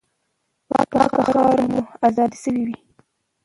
پاکه خاوره به مو آزاده سوې وي.